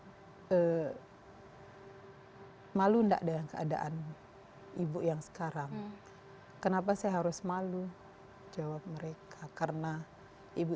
hai malu enggak ada keadaan ibu yang sekarang kenapa saya harus malu jawab mereka karena ibu